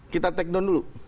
kita take down dulu